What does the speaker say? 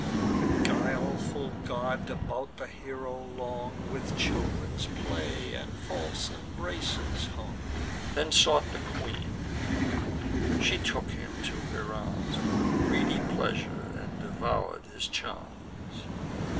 The guileful god about the hero long, With children's play, and false embraces, hung; Then sought the queen: she took him to her arms With greedy pleasure, and devour'd his charms.